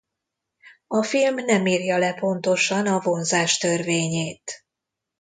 A film nem írja le pontosan a vonzás törvényét.